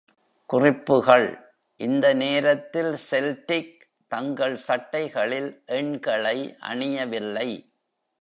குறிப்புகள்: இந்த நேரத்தில் Celtic தங்கள் சட்டைகளில் எண்களை அணியவில்லை.